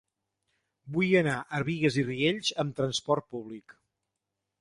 Vull anar a Bigues i Riells amb trasport públic.